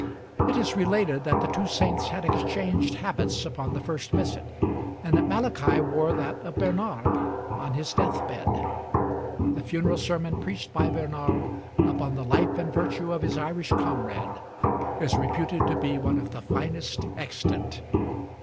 It is related that the two saints had exchanged habits upon the first visit, and that Malachy wore that of Bernard on his death bed. The funeral sermon preached by Bernard upon the life and virtue of his Irish comrade is reputed to be one of the finest extant.